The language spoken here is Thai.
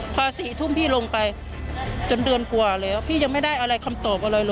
พอ๔ทุ่มพี่ลงไปจนเดือนกว่าแล้วพี่ยังไม่ได้อะไรคำตอบอะไรเลย